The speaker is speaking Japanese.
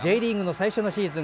最初のシーズン。